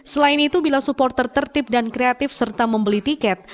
selain itu bila supporter tertib dan kreatif serta membeli tiket